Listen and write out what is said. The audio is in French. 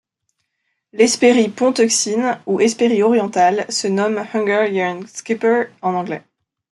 L'Hespérie pont-euxine ou hespérie orientale se nomme Hungarian Skipper en anglais.